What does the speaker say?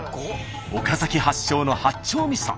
岡崎発祥の八丁みそ。